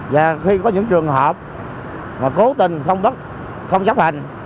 và khi có những trường hợp mà cố tình không chấp hành